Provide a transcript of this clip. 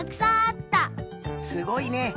すごいね。